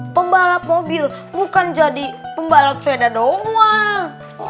pembalap mobil bukan jadi pembalap sepeda doang